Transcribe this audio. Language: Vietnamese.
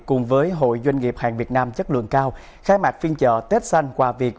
cùng với hội doanh nghiệp hàng việt nam chất lượng cao khai mạc phiên chợ tết xanh quà việt